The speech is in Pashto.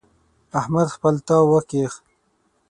احمد خپل تاو وکيښ.